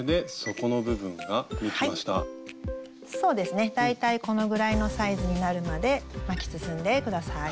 そうですね大体このぐらいのサイズになるまで巻き進んで下さい。